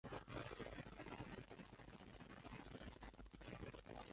当时这场飓风是墨西哥在近代遭受的最严重的自然灾害。